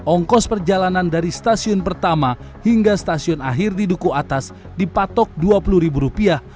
ongkos perjalanan dari stasiun pertama hingga stasiun akhir di duku atas dipatok dua puluh ribu rupiah